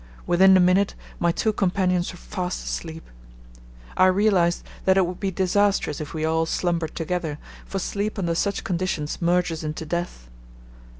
Within a minute my two companions were fast asleep. I realized that it would be disastrous if we all slumbered together, for sleep under such conditions merges into death.